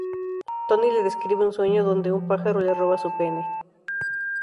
Tony le describe un sueño donde un pájaro le roba su pene.